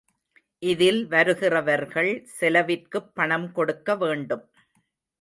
இதில் வருகிறவர்கள் செலவிற்குப் பணம் கொடுக்க வேண்டும்.